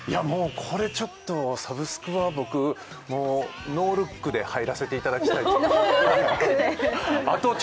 もう、これちょっとサブスクは僕、もうノールックで入らせていただきたいと。